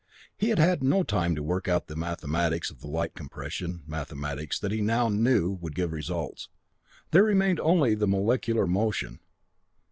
He had had no time to work out the mathematics of the light compression, mathematics that he now knew would give results. There remained only the molecular motion.